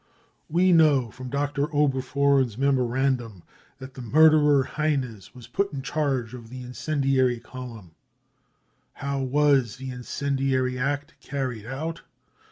We know from Dr. Oberfohren's memoran dum that the murderer Heines was put in charge of the incendiary column. How Was the Incendiary Act Carried Out?